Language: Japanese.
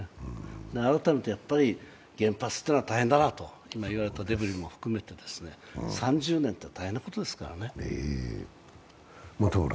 改めてやっぱり、原発というのは大変だなと、今、言われたデブリも含めて３０年というのは大変なことですからね。